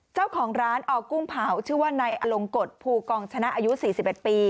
เจ้าของร้านอกุ้งเผาชื่อว่านายอลงกฎภูกองชนะอายุ๔๑ปี